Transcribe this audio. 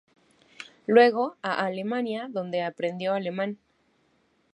Luego a Alemania donde aprendió alemán.